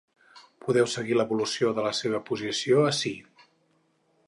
Podeu seguir l’evolució de la seva posició ací.